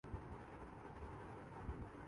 لوگوں کے ارد گرد بے چینی محسوس کرتا ہوں